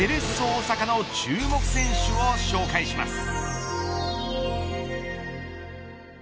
大阪の注目選手を紹介します。